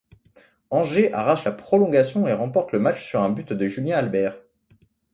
Angers arrache la prolongation et remporte le match sur un but de Julien Albert.